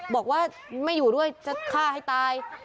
บอกว่าไม่อยู่ด้วยจะฆ่าให้ตาย